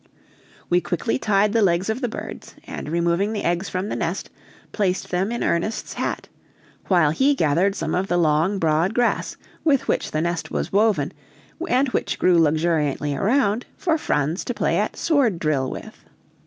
We quickly tied the legs of the birds, and removing the eggs from the nest, placed them in Ernest's hat; while he gathered some of the long, broad grass, with which the nest was woven, and which grew luxuriantly around, for Franz to play at sword drill with.